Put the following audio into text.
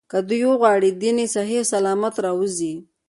که دوی غواړي دین یې صحیح سلامت راووځي.